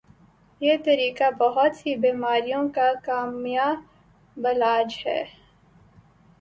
یہ طریقہ بہت سی بیماریوں کا کامیابعلاج ہے